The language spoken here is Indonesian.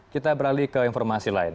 kita beralih ke informasi lain